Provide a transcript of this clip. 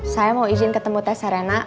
saya mau izin ketemu tes arena